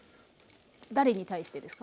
誰に対してですか？